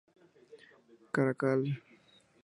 Caracal Llc.